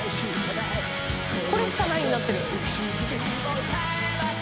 「“これしかない”になってる」